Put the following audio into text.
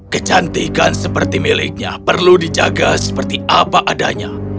kecantikan seperti miliknya perlu dijaga seperti apa adanya